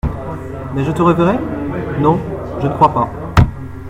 Mais je te reverrai ? Non, je ne crois pas.